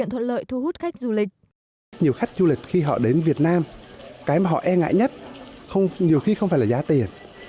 nhiều khách du lịch khi họ đến việt nam cái mà họ e ngại nhất không nhiều khi không phải là giá tiền